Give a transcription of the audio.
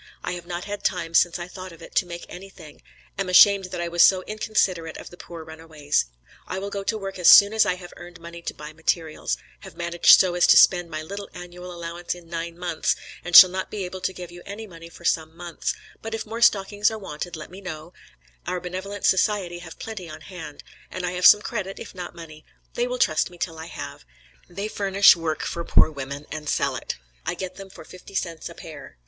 I have not had time since I thought of it, to make anything; am ashamed that I was so inconsiderate of the poor runaways. I will go to work as soon as I have earned money to buy materials; have managed so as to spend my little annual allowance in nine months, and shall not be able to give you any money for some months, but if more stockings are wanted let me know, our benevolent society have plenty on hand; and I have some credit if not money; they will trust me till I have; they furnish work for poor women and sell it. I get them for fifty cents a pair.